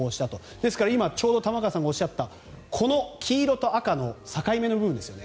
ですから今、ちょうど玉川さんがおっしゃったこの黄色と赤の境目の部分ですよね